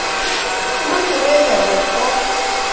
Kimache peek ke mwet kot